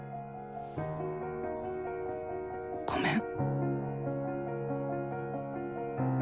ごめん。